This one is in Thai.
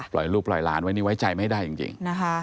ปล่อยลูกปล่อยล้านไว้นี่ไว้ใจไม่ได้จริง